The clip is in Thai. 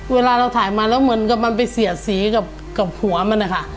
เวลาเราถ่ายมาแล้วเหมือนกับมันไปเสียดสีกับหัวมันนะคะ